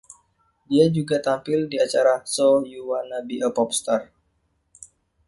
Dia juga tampil di acara "So You Wanna be a Popstar?"